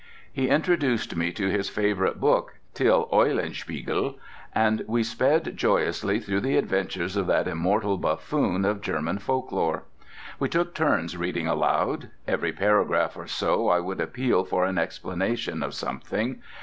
He introduced me to his favourite book Till Eulenspiegel, and we sped joyously through the adventures of that immortal buffoon of German folk lore. We took turns reading aloud: every paragraph or so I would appeal for an explanation of something.